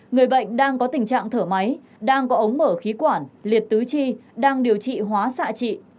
người bệnh đang có tình trạng thở máy đang có ống mở khí quản liệt tứ chi đang điều trị hóa xạ trị